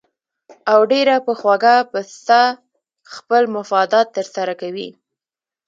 او ډېره پۀ خوږه پسته خپل مفادات تر سره کوي